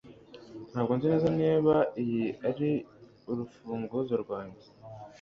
Ntabwo nzi neza niba iyi ari urufunguzo rwanjye